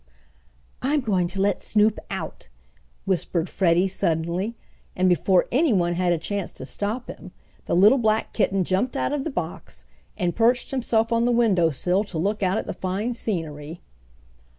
"I'm going to let Snoop out!" whispered Freddie suddenly, and before anyone had a chance to stop him, the little black kitten jumped out of the box, and perched himself on the window sill to look out at the fine scenery.